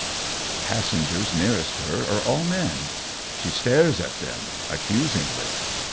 The passengers nearest her are all men. She stares at them, accusingly.